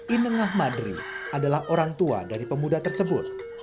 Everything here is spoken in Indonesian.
inengah madri adalah orang tua dari pemuda tersebut